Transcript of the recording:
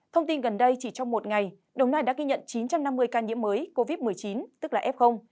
thông tin gần đây chỉ trong một ngày đồng nai đã ghi nhận chín trăm năm mươi ca nhiễm mới covid một mươi chín tức là f